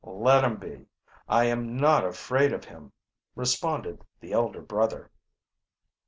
"Let him be I am not afraid of him," responded the elder brother.